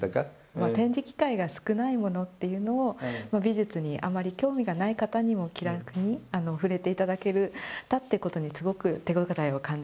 展示機会が少ないものっていうのを美術にあまり興味がない方にも気楽に触れて頂けたってことにすごく手応えを感じてます。